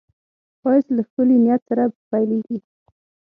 ښایست له ښکلي نیت سره پیلېږي